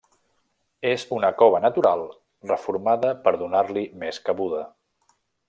És una cova natural reformada per donar-li més cabuda.